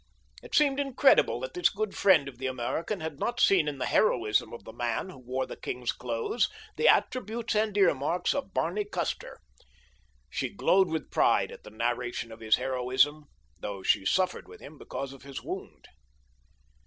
It seemed incredible that this good friend of the American had not seen in the heroism of the man who wore the king's clothes the attributes and ear marks of Barney Custer. She glowed with pride at the narration of his heroism, though she suffered with him because of his wound.